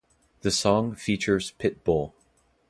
The song features Pitbull.